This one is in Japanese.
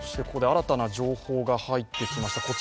ここで新たな情報が入ってきました。